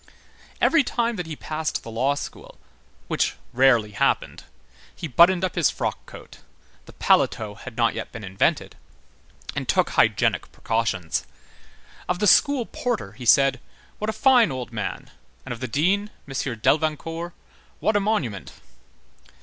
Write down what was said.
Every time that he passed the law school, which rarely happened, he buttoned up his frock coat,—the paletot had not yet been invented,—and took hygienic precautions. Of the school porter he said: "What a fine old man!" and of the dean, M. Delvincourt: "What a monument!"